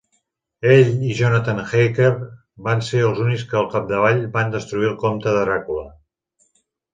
Ell i Jonathan Harker van ser els únics que al capdavall van destruir el Comte Dràcula.